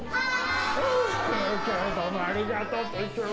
どうもありがとう。